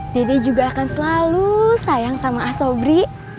nenek juga akan selalu sayang sama asobri